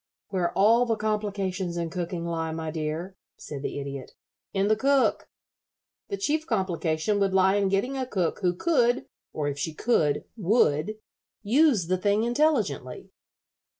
"Where all the complications in cooking lie, my dear," said the Idiot, "in the cook. The chief complication would lie in getting a cook who could, or if she could, would, use the thing intelligently."